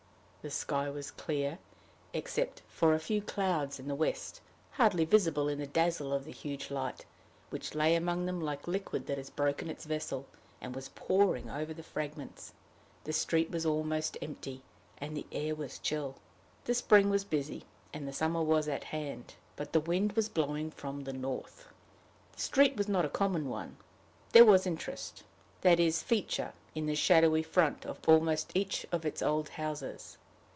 The sky was clear, except for a few clouds in the west, hardly visible in the dazzle of the huge light, which lay among them like a liquid that had broken its vessel, and was pouring over the fragments. The street was almost empty, and the air was chill. The spring was busy, and the summer was at hand; but the wind was blowing from the north. The street was not a common one; there was interest, that is feature, in the shadowy front of almost each of its old houses.